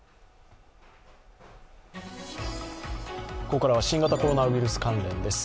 ここからは新型コロナウイルス関連です。